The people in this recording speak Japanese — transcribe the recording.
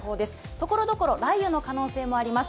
ところどころ雷雨の可能性もあります。